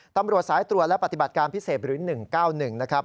ตำรวจสายตรวจและปฏิบัติการพิเศษหรือ๑๙๑นะครับ